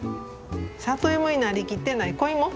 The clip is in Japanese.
里芋になりきってない子芋。